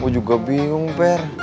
gue juga bingung per